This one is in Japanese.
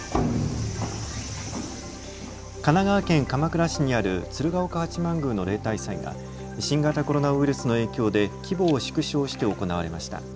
神奈川県鎌倉市にある鶴岡八幡宮の例大祭が新型コロナウイルスの影響で規模を縮小して行われました。